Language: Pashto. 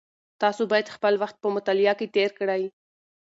تاسو باید خپل وخت په مطالعه کې تېر کړئ.